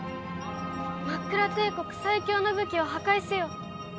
「マックラ帝国最凶の武器を破壊せよ」。